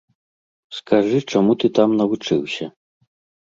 Скажы, чаму ты там навучыўся?